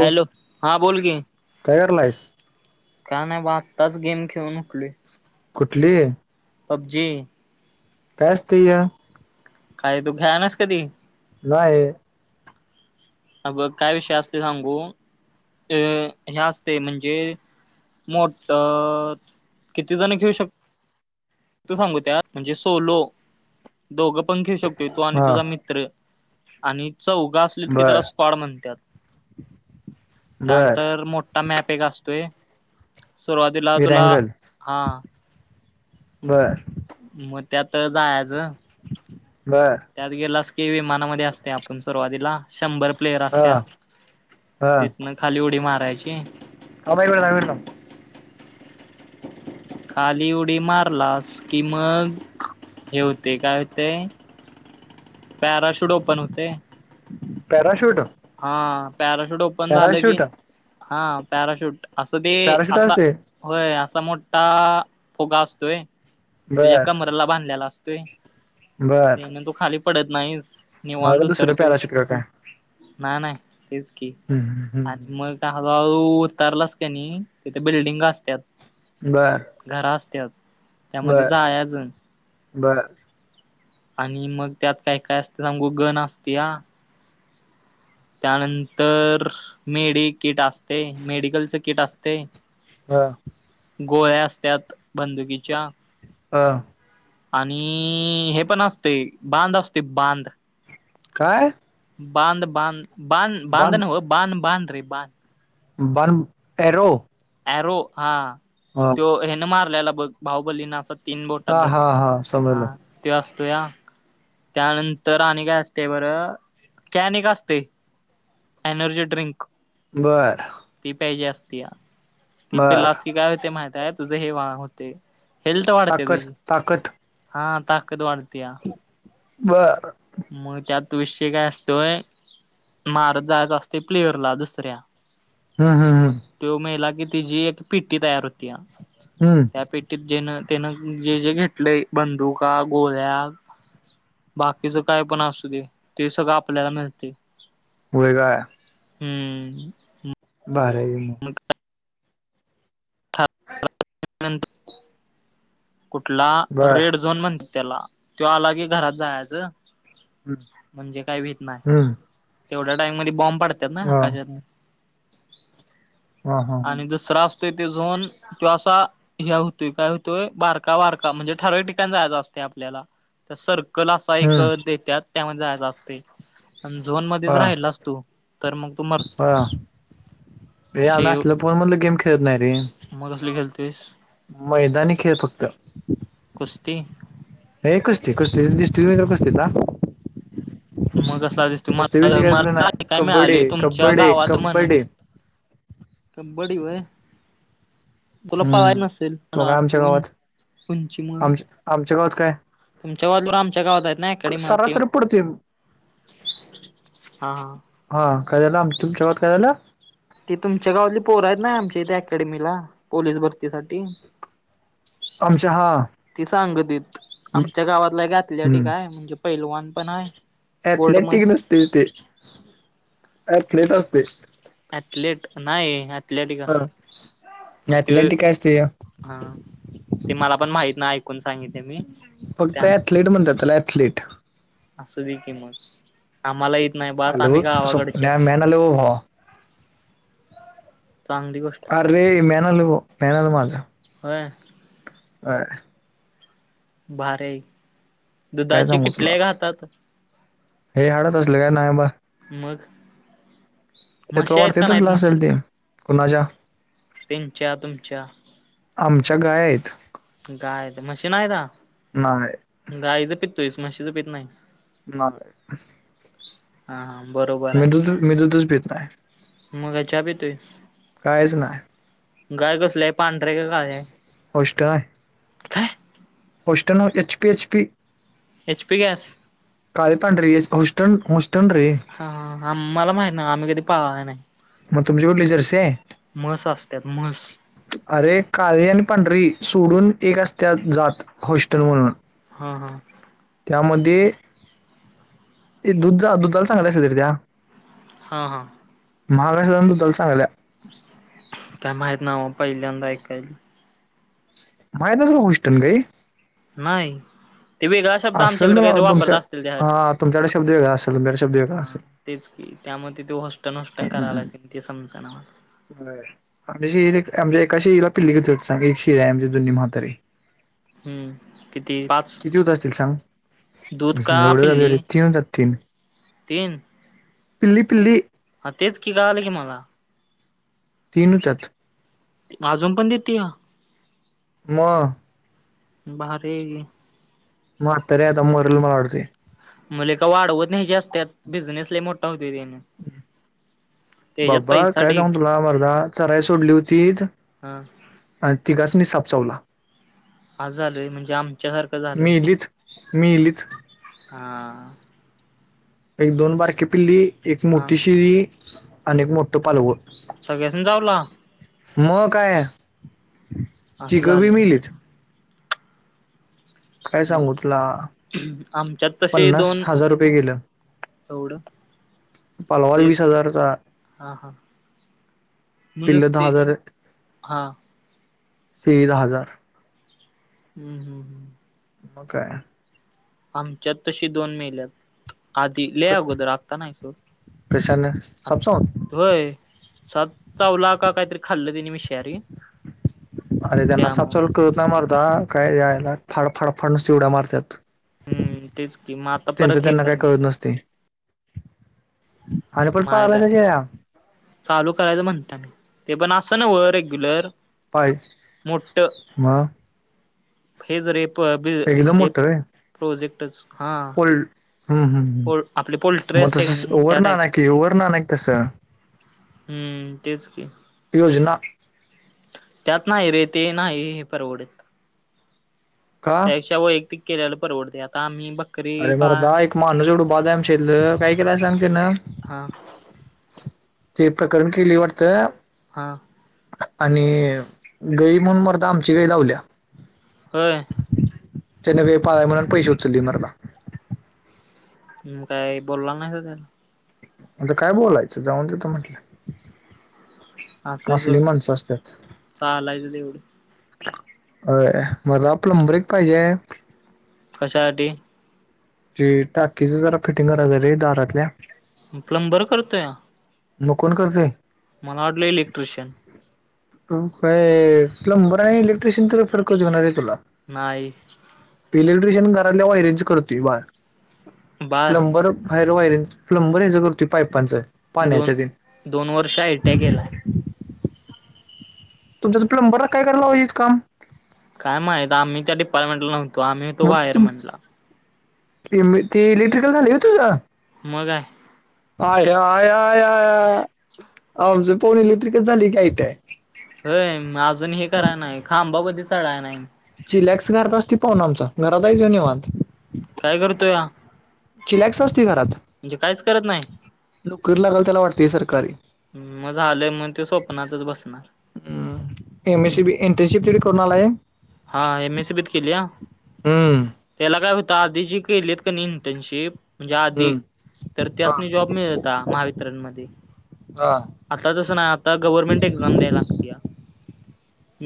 Hello हा बोल के. काय करालायस. काय नाही बा आत्ताच गेम खेळून उठलोय कुठली. पबजी. काय असतं ह काय तू खेळला नाइस कधी. नाही. अ बघ काय विषय असते सांगू अ ह्या असते म्हणजे मोठ किती जण खेळु शकत. तू सांगू त्या म्हणजे सोलो दोघं पण घेऊ शकतो तू आणि हा तुझा मित्र आणि चौघ असं कि त्याला बर स्कोड म्हणतात बर त्यानंतर मोठा मॅप एक असतोय सुरुवातीला तुला विरांगल हा. बर. मग त्यात जायच. बर त्यात गेलास कि विमानामध्ये असते आपण सुरुवातीला शंभर प्लेयर हा असतात हा तीथन खाली उडी मारायची. हा बाई वेळा वेटम [unintelligible] खाली उडी मारलास किमग हेेवते काय होतय. पॅराशूट ओपन होतय. पॅराशूट. हा पॅराशूट ओपन झालं की पॅराशूट हा पॅराशूट असं ते पॅराशूट असा असते होय असा मोठा फुगा असतोय. तुझ्या बर कमराला बांधलेला असतोय बर त्यान तू खाली पडत नाहीस. निवांत मला दुसरं पॅराशूट उतरतोयस का काय नाय नाय तेच की हम्म आणि हम्म मग का हो भाऊ उतरलास काय नही तिथ बिल्डिंग असत्यात. बर. घरा असत्यात त्यामध्ये बर जायचं. बर आणि मग त्यात काय काय असतय सांगू गण असत्या. त्यानंतर. मेड किट असते मेडिकलच किट असतय. हा. गोळ्या असत्यात बंदुकीच्या. हा. आणि हे पण असतय बांध असतोय बांध. काय. बांंद बांंद ना हो बांध बांध रे बांध बरम एरो. अँरो हा. हो. तो हेन मारल्याला बघ भाहुबलीण अस हा हा हा समजलं. त्यो असतो या त्यानंतर आणि काय असते बरं कॅनेक असतय. Energy drink. बरं. ती प्यायची असतीया ती बर पिलास की काय होते माहित आहे तुझे हे वा होते. हेल्थ वाढते ताकद तुझी ताकद हा ताकद वाढते. बरं मग त्यात त विषय काय असतोय मारत जायचं असते प्लेअरला दुसऱ्या हम्म हम्म मग हम्म तो मेला की तिची एक पिट्टी तयार होती हम्म. त्या पेटीत जेन तेनं जे जे घेतलंय बंदुका गोळ्या तिच काय पण असूदे ते सगळं आपल्याला मिळते. वय काय? हम्म. भारी आहे कि मग. मग हच कुठला बर रेड झोन म्हण त्याला तो आला की घरात जायचं म्हणजे काय व्हीत नाही. हम्म तेवढ्या टाइम मध्ये बॉम्ब पडतात ना हा आकाशात. हा हा आणि दुसरा असतोय तो झोन तो असा ह्या होतोय काय होतोय बारका वारका म्हणजे ठराव ठिकाण जायचं असते आपल्याला त्या सर्कल असा एक हम्म देतात. त्यामध्ये जायच असते. पण झोन मध्येच हा राहिलास तू तर मग तू मरतोयस. मग र आम्ही शेव असल फोन मधलं गेम खेळत नाही रे. मग कसली खेळतोयस. मैदानी खेळ फक्त. कुस्ती हे कुस्ती कूस्तीत दिस्ती खुस्तीचा. मग कसला दिसतोय कूस्ती मला मला [unintelligible] काय कबड्डी मिळालय तुमच्या कबड्डी गावात म्हणत होतीत कबड्डी कबड्डी वय. तुला पळाय हम्म नसेल तो मला काय आमच्या वाटतय गावात उंचीमूळ. आमच्या आमच्या गावात काय. तुमच्या गावातल आमच्या गावात आहेत नाय ऍक्याडमी म ते सरासरी पडतोय हा. हा काय झालं आम तुमच्या गावात काय झाल. ते तुमच्या गावातली पोर आहेत ना आमच्या इथ अकॅडमीला पोलीस भरतीसाठी. आमच्या हा. ती सांगदित आमच्या गावातला एक हम्म अथलेटिकाय म्हणजे पैलवान पण आहे. स्पोर्ट म ते ते ऐथल्याट असते. अऍथलेट नाही अऍथलेटिक असतय. अथलेटिक असते. हा ते मला पण माहित नाय ऐकून सांगितले मी. फक्त त्या ऍथलीट म्हणतात त्याला ऍथलीट. असू दे कि मग आम्हाला येत नाही बास आलं आम्ही बघ गावाकडचे स्वप्न्या आहे. मॅन आलं ओ भावा चांगली गोष्ट अर रे मेनल मेनल माझा हो ह बर काय सांगू तुला हे हाडत असलं काय नाही बा मग ते त म्हशी आहेत वाटते का इथेच नाहीत नाव सांगतील कुणाच्या तीनच्या तुमच्या आमच्या गाय आहेत गाय आहेत म्हशी नाही का? नाय नाय गाईच पितोयस म्हशीच पित नाहीस. [unintelligible] हा हा बरोबर मी दुस मी दुतस ब तनाय मगाच्या बी तुस काहीच नाही गाय कसलंय पांढरे काय काय अष्टा काथ होस्टनो H P H P H P gas का पण रे हुस्टन हुस्टन रे हा मला माहीत नाय आम्ही कधी पाळल्या नाहीत मग तुमची कुठली जर्सी आहे. असत्यात म्हस अरे काळी आणि पांढरी सोडून एक असत्यात जात हॉस्टेल हा हा त्यामध्ये ते दुधा दुधाला चांगल्या तरी त्या हां हां. महाग [unintelligible] चांगल्या काय माहित ना पहिल्यांदा ऐकायला माहित नाय तुला हॉस्टन गाई नाही. ते वेगळा शब्द असेल आमच्याकडे तुला काहीतरी वापरत तुमच्या असतील त्यासाठी हा तुमच्याकडे शब्द वेगळा असेल तुमच्याकडे शब्द हा वेगळा असेल तेच की त्यामध्ये ते हॉस्टन हॉस्टन करायला असेल ते समजना व्हय. [unintelligible] हम्म किती पाच किती होत असतील सांग? दूध का एवढं पिल्ली [unintelligible] तीन होतात तीन तीन. पिल्ली पिल्ली हा तेच की [unintelligible] की मला तीन होतात. अजून पण देते या म भारी [unintelligible] म लेका वाढवत नाही जास्त त्यात बिझनेस लय मोठा होत त्याने हम्. त्याच्यात बाबा पैसा काय ढीग सांगू तुला मरदा चराई सोडली होतीत हा. आणि तिघासनी साप चावला असं झालय म्हणजे आमच्यासारखं झालं मग मेलीचं हा. एक दोन बारकीे पिल्ली, एक हा मोठी शेळी आणि एक मोठ पालव सगळ्याना चावला मग काय असं तिघं बी झाले मिलीच काय सांगू तुला मग आमच्यात तसे पन्नास दोन हजार रुपये गेलं एवढं पालवाल ते वीस हजारचा हा हां पिल्ल दहा नसते हजार हा सगळी दहा हजार हम्म हम्म हम्म. म काय आमच्यात तशी दोन मेल् आधी लय आगोदर आत्ता नाय सोड कशाने सापसावून होय स चावला का काहीतरी खाल्लं तिने मी शियारी अरे त्यांना सापसल करत नाही मारता काय यायला फाडफाडफाडण चिवड्या मारतात हम्म तेच की मग आता त्यांचं परत हे त्यांना काय करणार नसते आणिर पण माहित पाहालाय आहे. त्याच्या चालू करायचं म्हणता मी ते पण असं ना व रेग्युलर पाय मोठ मग हे ज रे एकदम म्हणजे प्रोजेक्ट हा ह्म पोल आपली ह् पोल्ट्री मग असते तस का नाही ओवर त्या ना टाईप क ओ्ह ना नाहीक तसं हम्म तेच की योजना त्यात नाही रे ते नाही हे परवडेत का? त्यापेक्षा वैयक्तिक केला परवडते आता आम्ही बघ अरे मरदा एक माणूस एवढ बाद हाय आमच्यातल काय केलाय सांग तेन हा ते प्रकरण केलय वाटतं हा आणि गई म्हणून मरद आमची गई लावल्या होय त्यांना पावण्याकडन पैसे उचलले मर्दा काय बोलला नाही स त्याला म्हता काय बोलायचं जाऊन तेेत म्हटलं असं कसली सोड माणसं असतात चालायचं तेवढं अ म प्लमबरिकएक पाहिजे हाय कशासाठी जी टाकीच जरा फिटिंग कराय रे दारातल्या प्लंमबर करतोय या मग कोण करते मला वाटले इलेक्ट्रिशियन का प्लंबर आणि इलेक्ट्रिशियन तेंच्यातला फरक कळतोय काय नाय तुला नाही इलेक्ट्रिशियन घराल्या वायरेज करतोय बाळ बाळ प्लंबर हयर वायर प्लंबरयचं करतोय पाईपांचं दोन दोन वर्ष आय ट्या केलाय तुमच्यां प्लंबरला काय करायल लावयचीत काम काय माहित आम्ही त डिपार्टमेंटला नव्हतो आम्ही होतो मग तु वायरमनला. ते इलेक्ट्रिकल झाली होतीुझ मगय आय आयय आमच पोणीली इ तरीिकच झाली कायतय होय अजून हे कराय नाही खांबा ब चढा नाही. चिलॅक्स घत असती पाहून आमचा घरात देेऊन वात. काय करतो या चिलॅक्स असती घरात म्हणजे काहीच करत नाही नोकरी लागाल त्याला वाटतेय सरकारी मग झालंय मग ते स्वप्नातच बसणार ह M S C B internship तडे करून आला आहे हा एम एससी बीत केलीया हम्म त्याला काय होत आधी जे केलेत का नाही इंटर्नशिप म्हणजे आधी हम्म तर त हा असने जॉब मिळता महावितरणमध्ये हा आता तसं नाही आता गव्हर्नमेंट एक्झाम द्याय लाग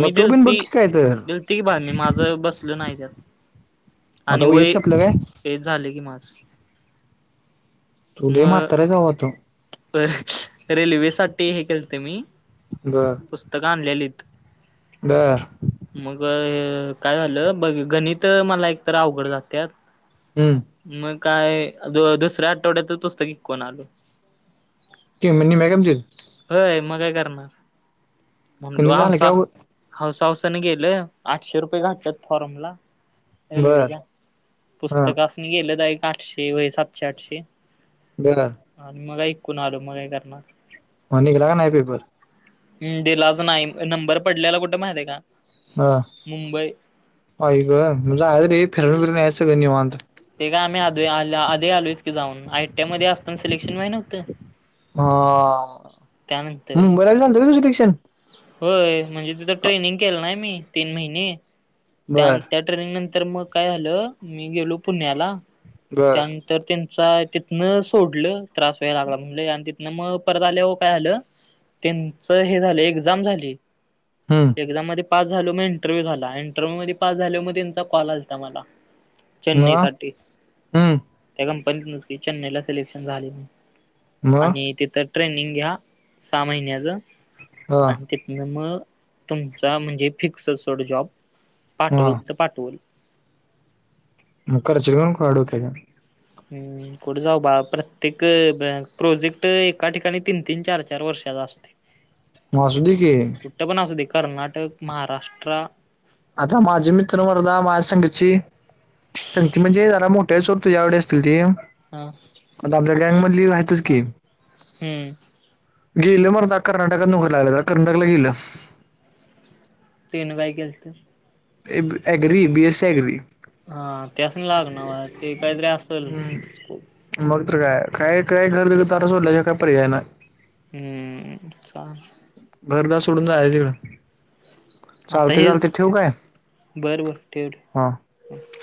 मग मी तू पण दिलती बघ की काय तर दि ते की बाय मी माझं बसल नाही त्यात आणि आता वय एज संपलं काय ते झाले की माझ तुढ मात्र जाऊतो रे रेल्वेसाठी हे केलते मी बर पुस्तक आणलेली ब मग काय झालं बघ गणित मला एकतर अवघड जात हम्म मग काय दुसऱ्या आठवड्यात पुस्तकिक कोण आलो ते म्हणनी मॅगमज होय मग काय करणार म्हणलो कमी झालं की हवसा अवघड हौसा हौसाने गेलं आठशे रुपये घााततात फॉर्म ला बर रेल्वेच्या हा पुस्तकसनी गेलत एक आठशे व सातशे आठशे ब आणि मग ऐकून आलो मग काही करणार म निकला का ना पेपर हम् दिलाच नाही नंबर पडल्याला कुठे माहित आहे का ह मुंबई ग म्हणजे आहे तरी फिरण फिरच सगळ निवत ते का आम्ही आध आ आधी आलोयच की जाऊन आयटीआय मध्ये असताना सिलेक्शन माहि नव्हतं ह त्यानंतर मुंबईला जालत का दुसरी दे्शण होय म्हणजे तिथं ट्रेनिंग केलं नाही मी तीन महिने त्या बर त्या ट्रेनिंग नंतर मग काय झालं मी गेलो पुण्याला बर त्यान तर त्यांचा तिथनं सोडलं त्रास वेय लागला म्हणले आणि तिथनं मग परत आल्या व काय आलं त्यांच हे झालं एक्झाम झाली. हां एक्झाम मध्ये पास झाल मग इंटरव्ह्यू झाला इंटरव्ह्यू मध्ये पास झाल मग त्यांचा कॉल आता मला चेन्नई मग साठी हम्म त्या कंपनीत न चेन्नईला सिलेक्शन झाले मग आणि तिथं ट्रेनिंग घ्या सहा महिन्याच हा आणि तिथन मग तुमचा म्हणजे फिक्स सोड जॉब पाट हा बोलल तर पाट बोल मुख र चि खडू का हम् कठे जाऊ बा प्रत्येक प्रोजेक्ट एका ठिकाणी तीन तीन चार चार वर्षाचा असतो मासुदी कि तर पण अस दे कर्नाटक महाराष्ट्र आता माझी मित वरध माझ्या संघची सग त म्हणजे झाला मोठ्याच होर तुझ्या आवडे असतील ते हा आता आपल्या गँगमधली वहायचंच की हम्म गेलं मर आ कर्नाटक मुघरला आलं तर कर्नाटकला गेलं ट्रेन बाईक गेलते. अगरी बीएस सी अगरी हा त्यास नाही लागणार ते काहीतरी असतल मग तर काय काय काय घर तारा सोडल्या ज काय पर्याय नाही हम्म का घरदा सोडून जाय तिकडं आता चालते चालते हेच ठेव काय बर बर ठेव ठेव हा [unintelligible]